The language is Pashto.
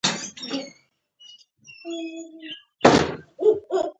وسله باید د کتاب مخ ونه ګوري